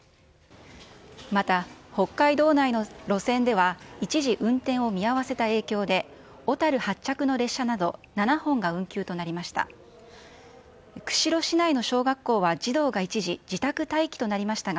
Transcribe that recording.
また北海道内の路線では、一時運転を見合わせた影響で、小樽発着の列車など７本が運休となりました。